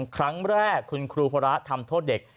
ครั้งแรกคุณครูพระทำโทษเด็ก